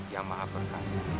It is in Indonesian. yang maha berkasih